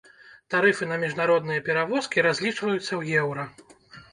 Тарыфы на міжнародныя перавозкі разлічваюцца ў еўра.